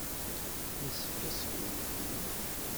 Yessefk ad sgunfunt.